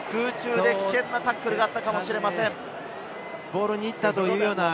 空中で危険なタックルがあったかもしれません。